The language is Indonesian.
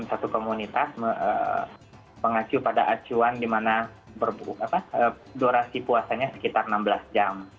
satu komunitas mengacu pada acuan di mana durasi puasanya sekitar enam belas jam